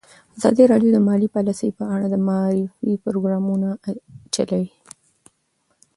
ازادي راډیو د مالي پالیسي په اړه د معارفې پروګرامونه چلولي.